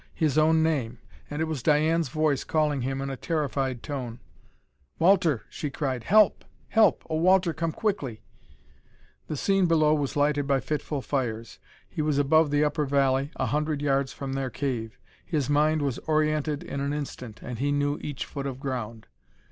His own name! And it was Diane's voice calling him in a terrified tone. "Walter!" she cried. "Help! Help! Oh, Walter, come quickly!" The scene below was lighted by fitful fires. He was above the upper valley, a hundred yards from their cave: his mind was oriented in an instant, and he knew each foot of ground.